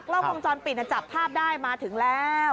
กล้องวงจรปิดจับภาพได้มาถึงแล้ว